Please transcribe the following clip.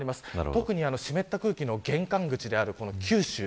特に湿った空気の玄関口である九州。